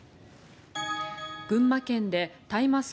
群馬県で大麻草